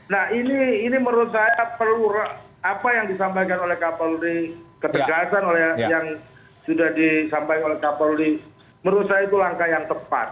nah ini menurut saya perlu apa yang disampaikan oleh kapolri ketegasan yang sudah disampaikan oleh kapolri menurut saya itu langkah yang tepat